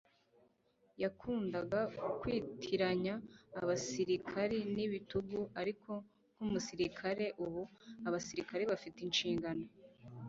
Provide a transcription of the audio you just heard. Yakundaga kwitiranya abasirikari n'ibitugu, ariko nk'umusirikare, ubu abasirikare bafite inshingano.